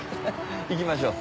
行きましょう。